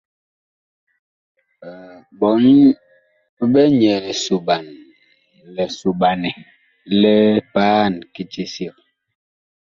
Ɓɔɔn big nyɛɛ lisoɓanɛ li paan kiti sig.